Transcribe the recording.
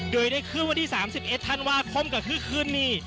โดยได้ขึ้นวัน๓๑ธันวาคมกับที่คืนนี้